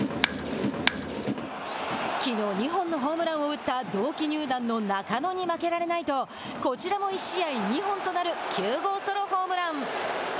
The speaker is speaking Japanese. きのう２本のホームランを打った同期入団の中野に負けられないとこちらも１試合２本となる９号ソロホームラン。